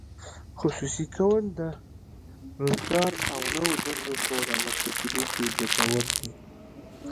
خصوصي کول د روزګار او نوو دندو په رامینځته کیدو کې ګټور دي.